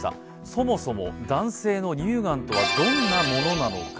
そもそも、男性の乳がんとはどんなものなのか。